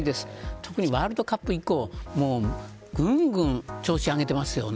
特にワールドカップ以降ぐんぐん調子を上げていますよね。